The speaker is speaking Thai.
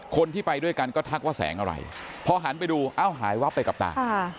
คนที่ไปด้วยกันก็ทักว่าแสงอะไรพอหันไปดูเอ้าหายวับไปกับตา